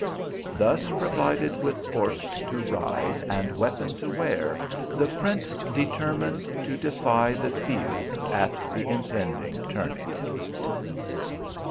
Thus provided with horse to ride and weapon to wear, the prince determined to defy the field at the impending tourney.